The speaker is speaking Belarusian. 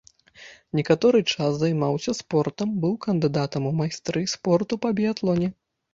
Некаторы час займаўся спортам, быў кандыдатам у майстры спорту па біятлоне.